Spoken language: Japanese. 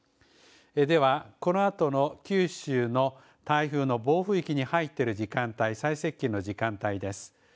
では、このあとの九州の台風の暴風域に入っている時間帯、最接近の時間帯です。